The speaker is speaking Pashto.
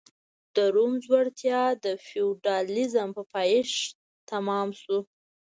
د روم ځوړتیا د فیوډالېزم په پایښت تمام شو.